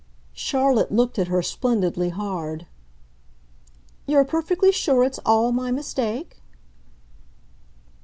Charlotte looked at her splendidly hard. "You're perfectly sure it's ALL my mistake?"